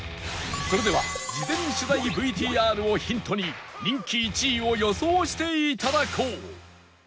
それでは事前取材 ＶＴＲ をヒントに人気１位を予想して頂こう